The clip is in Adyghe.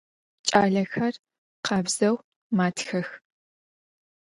Ç'alexer khabzeu matxex.